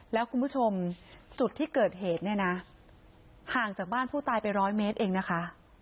แล้วคุณผู้ชมจุดที่เกิดเหตุเนี่ยนะห่างจากบ้านผู้ตายไปร้อยเมตรเองนะคะ